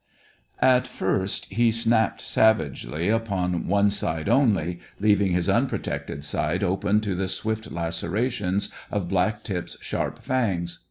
At first, he snapped savagely upon one side only, leaving his unprotected side open to the swift lacerations of Black tip's sharp fangs.